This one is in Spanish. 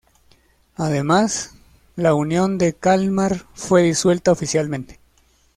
Además, la Unión de Kalmar fue disuelta oficialmente.